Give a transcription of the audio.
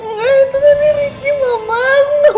nggak itu tadi ricky mama aku gak mau ketemu dia